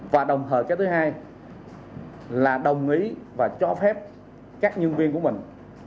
và đồng thời cái thứ hai là đồng ý và cho phép các nhân viên của mình